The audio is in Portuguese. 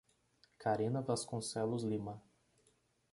Carina Vasconcelos Lima